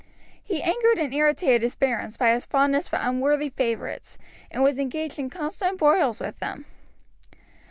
He angered and irritated his barons by his fondness for unworthy favourites, and was engaged in constant broils with them.